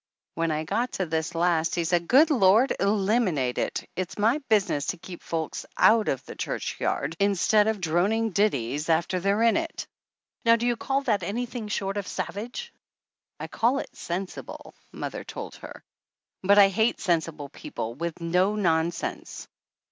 When I got to this last he said, 'Good Lord ! Eliminate it ! It's my business to keep folks out of the churchyard instead of droning ditties after they're in it!' Now, do you call that anything short of savage?" "I call it sensible," mother told her. "But I hate sensible people with no non sense